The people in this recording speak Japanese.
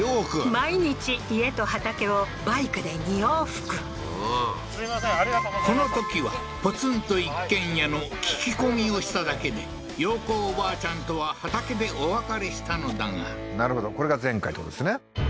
毎日家と畑をバイクで２往復すいませんありがとうございましたこのときはポツンと一軒家の聞き込みをしただけで洋子おばあちゃんとは畑でお別れしたのだがなるほどこれが前回ってことですね